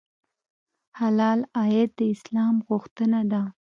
حلال عاید د اسلام غوښتنه ده.